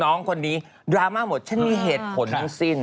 น้องคนนี้ดราม่าหมดฉันมีเหตุผลทั้งสิ้น